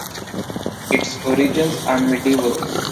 Its origins are medieval.